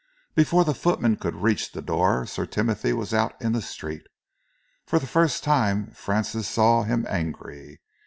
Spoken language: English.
Before the footman could reach the door Sir Timothy was out in the street. For the first time Francis saw him angry.